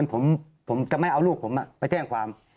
ผมจะไม่เอาลูกผมไปแจ้งความ